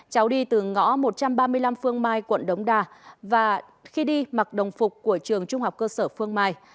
cháu đi từ ngõ một trăm ba mươi năm phương mai quận đống đa và khi đi mặc đồng phục của trường trung học cơ sở phương mai